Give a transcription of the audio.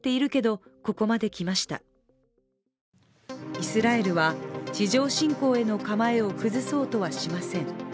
イスラエルは地上侵攻への構えを崩そうとはしません。